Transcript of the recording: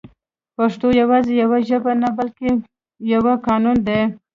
پښتو يوازې يوه ژبه نه ده بلکې يو قانون دی